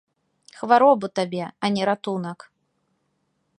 Хваробу табе, а не ратунак.